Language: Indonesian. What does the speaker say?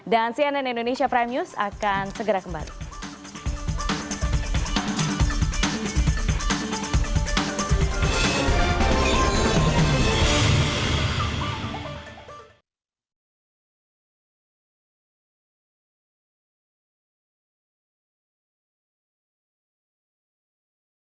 dan cnn indonesia prime news akan segera kembali